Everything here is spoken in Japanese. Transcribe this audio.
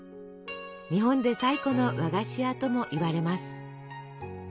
日本で最古の和菓子屋ともいわれます。